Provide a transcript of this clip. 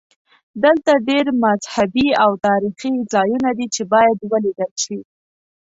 دلته ډېر مذهبي او تاریخي ځایونه دي چې باید ولیدل شي.